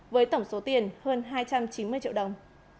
với tổng số tiền hơn hai trăm chín mươi triệu đồng